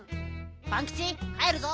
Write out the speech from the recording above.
パンキチかえるぞ。